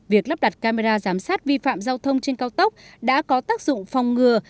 việc lắp đặt camera giám sát vi phạm giao thông trên cao tốc đã có tác dụng phòng ngừa